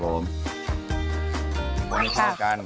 คล้ำแดงค่ะ